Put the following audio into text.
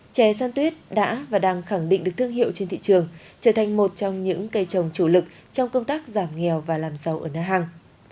chè san tuyết đã và đang khẳng định được thương hiệu trên thị trường trở thành một trong những cây trồng chủ lực trong công tác giảm nghèo và làm giàu ở na hàng